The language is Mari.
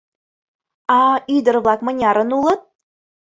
— А ӱдыр-влак мынярын улыт?